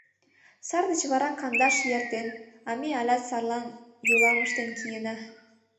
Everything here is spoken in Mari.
— Сар деч вара кандаш ий эртен, а ме алят сарлан йолам ыштен киена.